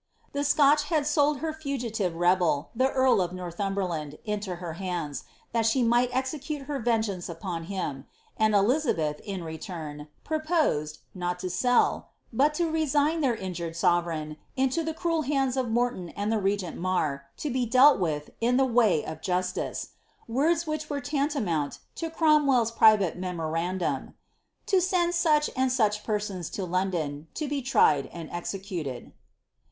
* The Scotch had sold her fugitive rebel, the earl of Northumberland, into her hands, that she might execute her vengeance upon him; and Elizabeth, in return, proposed, not to sell, but to resign their injured sovereign into the cruel hands of Morton and the regent Marr, to be dealt with in Ihe vay of justice — words which were tantamount to Cromwell's private mem(»nindum, ^^ to send such and such persons to London, to be tried and executed."